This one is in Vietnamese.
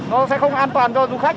nó sẽ không an toàn cho du khách